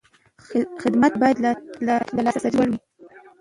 خدمت باید د لاسرسي وړ وي.